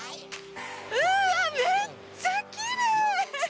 うわ、めっちゃきれい！